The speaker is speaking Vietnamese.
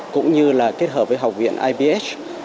cũng như là kết hợp với học viện ibh